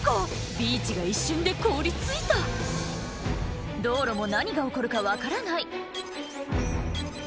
ビーチが一瞬で凍り付いた道路も何が起こるか分からない